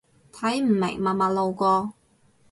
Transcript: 睇唔明，默默路過